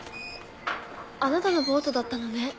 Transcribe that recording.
あなたのボートだったのね。